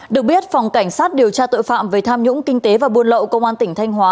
được biết phòng cảnh sát điều tra tội phạm về tham nhũng kinh tế và buôn lậu công an tỉnh thanh hóa